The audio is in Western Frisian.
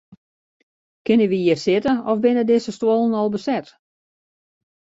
Kinne wy hjir sitte of binne dizze stuollen al beset?